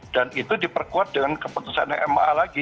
dan itu diperkuat dengan keputusan nma lagi